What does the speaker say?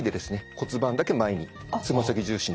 骨盤だけ前につま先重心で。